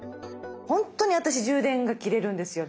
本当に私充電が切れるんですよ